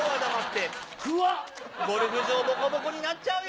ゴルフ場ボコボコになっちゃうよ。